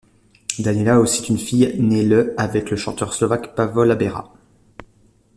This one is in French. Daniela a aussi une fille née le avec le chanteur slovaque Pavol Habera.